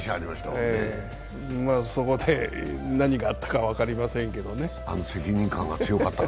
そこで何があったか分かりませんけどね。